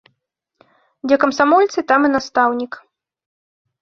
Дзе камсамольцы, там і настаўнік.